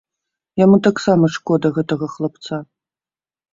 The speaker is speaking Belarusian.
Яму таксама шкода гэтага хлапца.